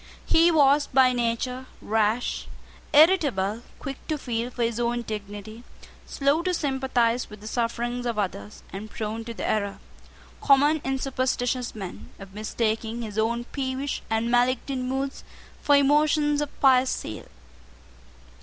He was by nature rash, irritable, quick to feel for his own dignity, slow to sympathise with the sufferings of others, and prone to the error, common in superstitious men, of mistaking his own peevish and malignant moods for emotions of pious zeal.